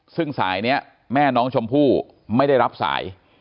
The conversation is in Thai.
ซึ่งสายนี้แม่น้องชมพู่ไม่ได้รับสาย